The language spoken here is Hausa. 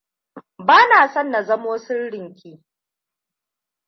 Bana son na zamo sirrin ki.